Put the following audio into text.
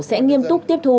sẽ nghiêm túc tiếp thu